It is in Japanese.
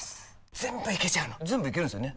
全部いけちゃうの全部いけるんですよね？